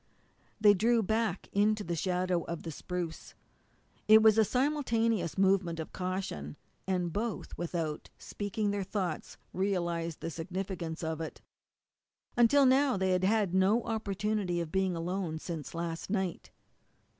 They drew back into the shadow of the spruce. It was a simultaneous movement of caution, and both, without speaking their thoughts, realized the significance of it. Until now they had had no opportunity of being alone since last night.